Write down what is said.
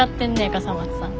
笠松さん。